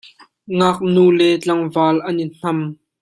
Ngaknu le tlangval an i hnam.